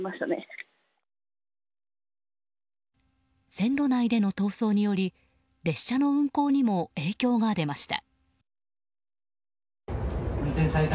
線路内での逃走により列車の運行にも影響が出ました。